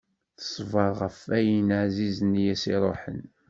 Teṣber ɣef wayen ɛzizen i as-iruḥen.